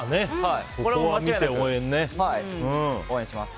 これは間違いなく応援します。